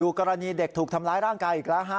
กรณีเด็กถูกทำร้ายร่างกายอีกแล้วฮะ